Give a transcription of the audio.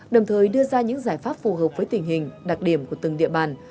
đồng thời đưa ra những giải pháp phù hợp với tình hình đặc điểm của từng địa bàn